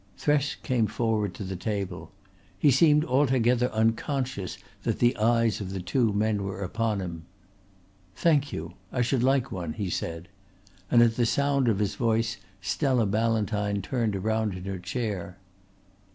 Thresk came forward to the table. He seemed altogether unconscious that the eyes of the two men were upon him. "Thank you. I should like one," he said, and at the sound of his voice Stella Ballantyne turned around in her chair.